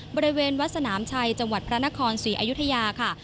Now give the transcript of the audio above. บริเวณวัดสนามชัยจังหวัดพระนครศรีอยุธยาค่ะ